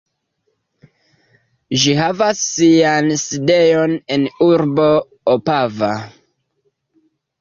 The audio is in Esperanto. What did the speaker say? Ĝi havas sian sidejon en urbo Opava.